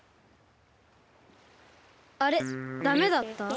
あれダメだった？